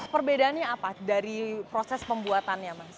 perbedaannya apa dari proses pembuatannya mas